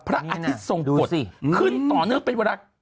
พระอาทิตย์ทรงกฎขึ้นต่อเนื่องเป็นเวลา